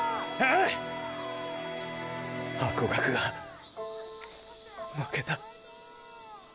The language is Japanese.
あ⁉ハコガクが負けた。